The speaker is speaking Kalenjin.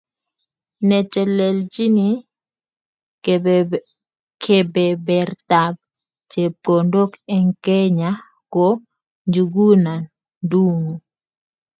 Netelelchini kebebertab chepkondok eng Kenya ko Njuguna Ndung'u